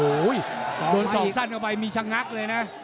โอ้โหโดนสองสั้นเข้าไปมีชะงักเลยนะ